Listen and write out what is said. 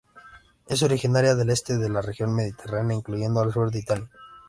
Es originaria del este de la región mediterránea incluyendo el sur de Italia.